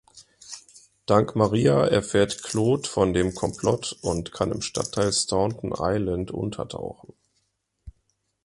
Dank Maria erfährt Claude von dem Komplott und kann im Stadtteil Staunton Island untertauchen.